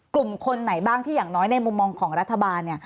กลุ่มคนไหนบ้างที่อย่างน้อยในมุมมองของรัฐบาลเนี่ย